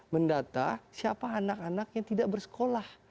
mendata siapa anak anak yang tidak bersekolah